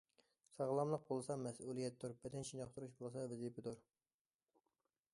ساغلاملىق بولسا مەسئۇلىيەتتۇر، بەدەن چېنىقتۇرۇش بولسا ۋەزىپىدۇر.